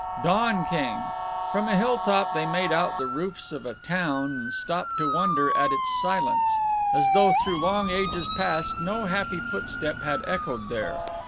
Dawn came. From a hilltop they made out the roofs of a town and stopped to wonder at its silence, as though through long ages past no happy footstep had echoed there.